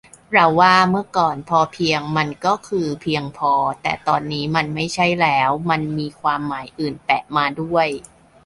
เราว่า เมื่อก่อน พอเพียง มันก็คือ เพียงพอ แต่ตอนนี้มันไม่ใช่แล้ว มันมีความหมายอื่นแปะมาด้วย